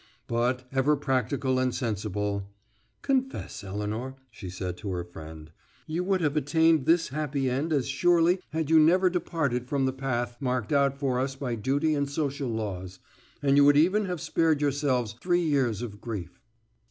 But, ever practical and sensible, "Confess, Elinor," she said to her friend, "you would have attained this happy end as surely had you never departed from the path marked out for us by duty and social laws, and you would even have spared yourselves three years of grief."